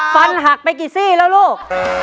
ฟันหักไปกี่ซี่แล้วลูก